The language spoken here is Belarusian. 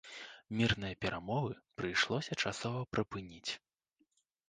Мірныя перамовы прыйшлося часова прыпыніць.